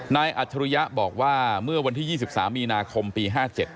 อัจฉริยะบอกว่าเมื่อวันที่๒๓มีนาคมปี๕๗